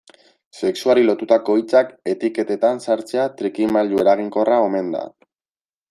Sexuari lotutako hitzak etiketetan sartzea trikimailu eraginkorra omen da.